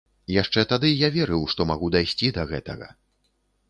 Яшчэ тады я верыў, што магу дайсці да гэтага.